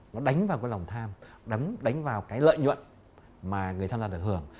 nó đánh vào cái lòng tham đánh vào cái lợi nhuận mà người tham gia được hưởng